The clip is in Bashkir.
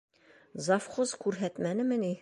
Завхоз күрһәтмәнеме ни?